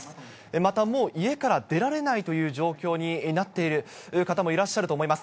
またもう、家から出られないという状況になっている方もいらっしゃると思います。